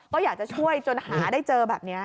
ก็อยากจะช่วยจนหาได้เจอแบบนี้